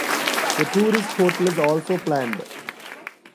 A tourist hotel is also planned.